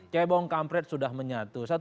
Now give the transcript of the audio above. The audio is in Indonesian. cebong kampret sudah menyatu